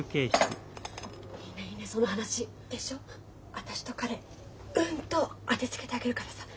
私と彼うんと当てつけてあげるからさ。